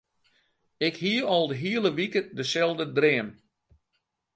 Ik hie al de hiele wike deselde dream.